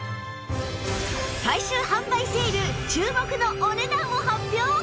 最終販売セール注目のお値段を発表！